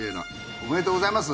おめでとうございます。